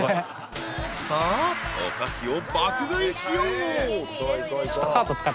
［さあお菓子を爆買いしよう］